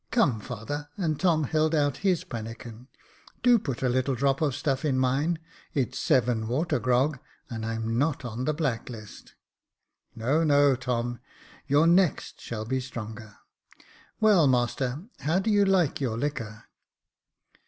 Come, father," and Tom held out his pannikin, " do put a little drop of stuff in mine — it's seven water grog, and I'm not on the black list." No, no, Tom ; your next shall be stronger. Well, master, how do you like your liquor